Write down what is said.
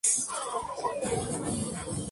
Partido Justicialista Bonaerense.